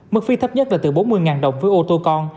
mức phí thấp nhất là từ bốn mươi đồng với ô tô con